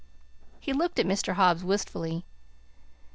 He looked at Mr. Hobbs wistfully.